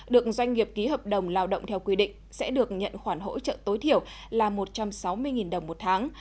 được doanh nghiệp ký hợp đồng lao động theo quy định sẽ được nhận khoản hỗ trợ tối thiểu là một trăm sáu mươi đồng một tháng